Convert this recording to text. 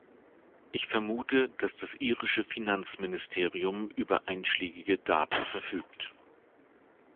Ich vermute, dass das irische Finanzministerium über einschlägige Daten verfügt.